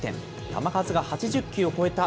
球数が８０球を超えた